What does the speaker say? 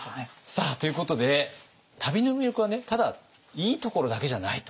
さあということで旅の魅力はねただいいところだけじゃないと。